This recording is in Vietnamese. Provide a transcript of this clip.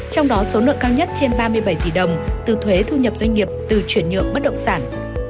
trong đó số nợ cao nhất trên ba mươi bảy tỷ đồng từ thuế thu nhập doanh nghiệp từ chuyển nhượng bất động sản